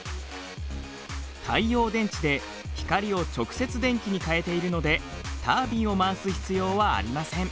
太陽電池で光を直接電気に変えているのでタービンを回す必要はありません。